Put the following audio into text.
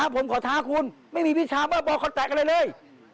ผมขอท้าคุณไม่มีวิชาเบอร์บอลแตะอะไรเลย